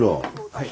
はい。